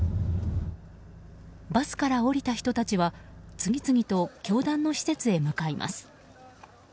バスから降りた人たちは次々と教団の施設へ向かいます。